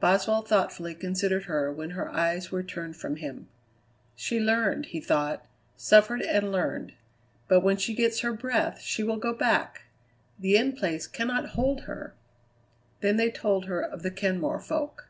Boswell thoughtfully considered her when her eyes were turned from him. "She learned," he thought; "suffered and learned; but when she gets her breath she will go back. The In Place cannot hold her." Then they told her of the Kenmore folk.